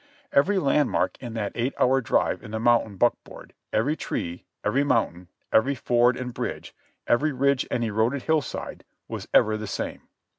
Every land mark in that eight hour drive in the mountain buckboard, every tree, every mountain, every ford and bridge, every ridge and eroded hillside was ever the same.